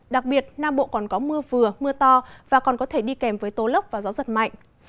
đặc biệt nam bộ còn có mưa vừa mưa to và còn có thể đi kèm với tố lốc và gió giật mạnh